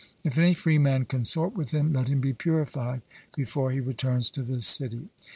If any freeman consort with him, let him be purified before he returns to the city.